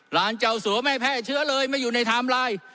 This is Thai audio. ล้านเจ้าสัวร์ไม่ให้แพร่เชื้อเลยไม่อยู่ในทามลาย